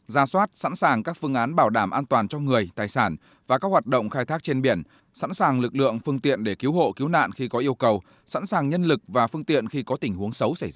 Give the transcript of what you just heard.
ra soát sẵn sàng các phương án bảo đảm an toàn cho người tài sản và các hoạt động khai thác trên biển sẵn sàng lực lượng phương tiện để cứu hộ cứu nạn khi có yêu cầu sẵn sàng nhân lực và phương tiện khi có tình huống xấu xảy ra